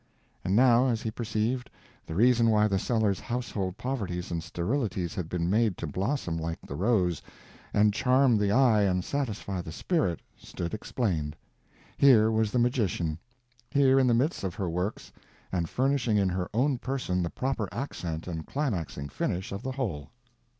And now, as he perceived, the reason why the Sellers household poverties and sterilities had been made to blossom like the rose, and charm the eye and satisfy the spirit, stood explained; here was the magician; here in the midst of her works, and furnishing in her own person the proper accent and climaxing finish of the whole.